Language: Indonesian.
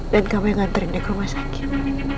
dan kamu yang ngantri dia ke rumah sakit